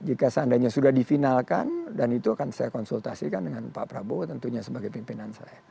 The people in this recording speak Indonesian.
jika seandainya sudah difinalkan dan itu akan saya konsultasikan dengan pak prabowo tentunya sebagai pimpinan saya